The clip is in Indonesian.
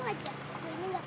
iya apa sih